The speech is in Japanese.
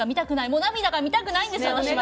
もう涙が見たくないんです私は。